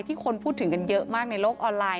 คนพูดถึงกันเยอะมากในโลกออนไลน์